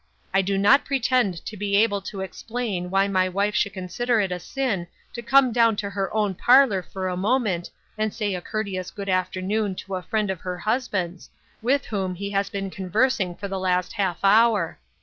I do not pretend to be able to explain why my wife should consider it a sin to come down to her own parlor for a moment and say a courteous good afternoon to a friend of her husband's, with whom he has been conversing for the last half hour.